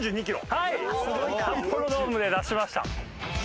札幌ドームで出しました。